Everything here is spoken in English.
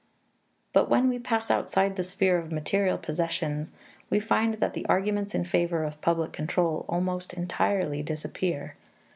But when we pass outside the sphere of material possessions, we find that the arguments in favor of public control almost entirely disappear.